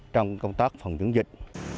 trong công tác phòng chống dịch